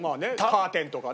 カーテンとかね。